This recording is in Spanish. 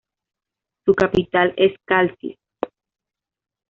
Su capital es Calcis.